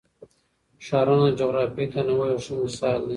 ښارونه د جغرافیوي تنوع یو ښه مثال دی.